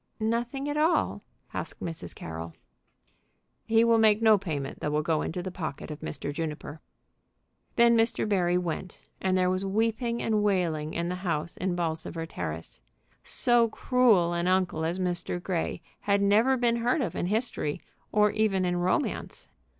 "Nothing at all?" asked Mrs. Carroll. "He will make no payment that will go into the pocket of Mr. Juniper." Then Mr. Barry went, and there was weeping and wailing in the house in Bolsover Terrace. So cruel an uncle as Mr. Grey had never been heard of in history, or even in romance.